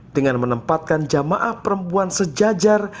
dengan menempatkan jamaah perempuan sejajar